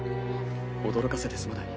驚かせてすまない。